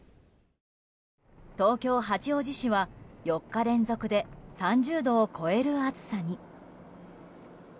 東京・八王子市は４日連続で３０度を超える暑さに。